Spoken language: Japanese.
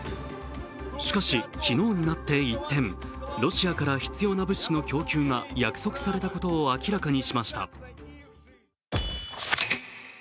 しかし、昨日になって一転ロシアから必要な物資の供給が約束されたことを明らかにしました。